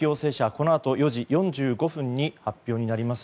このあと４時４５分に発表になります。